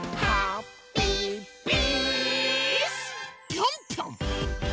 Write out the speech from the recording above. ぴょんぴょん！